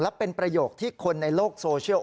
และเป็นประโยคที่คนในโลกโซเชียล